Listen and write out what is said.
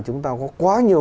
chúng ta có quá nhiều